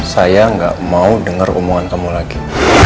saya gak mau denger umungan kamu lagi